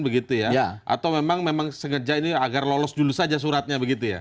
begitu ya atau memang segera ini agar lolos julus aja suratnya begitu ya